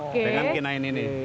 dengan kinain ini